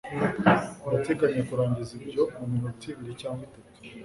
Ndateganya kurangiza ibyo muminota ibiri cyangwa itatu